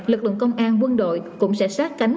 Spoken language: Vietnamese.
lực lượng công an quân đội cũng sẽ sát cánh